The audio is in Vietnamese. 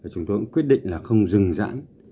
chúng tôi cũng quyết định là không dừng dãn